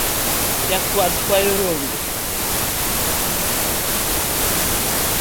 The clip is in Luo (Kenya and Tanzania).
Jakwath kwayo rombe.